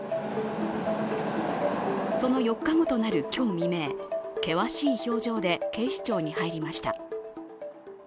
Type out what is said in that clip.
その４日後となる今日未明、険しい表情で警視庁に入りました。